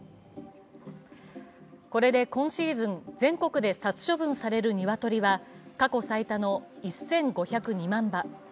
これで今シーズン、全国で殺処分される鶏は過去最多の１５０２万羽。